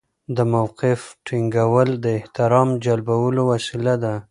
د موقف ټینګول د احترام جلبولو وسیله ده.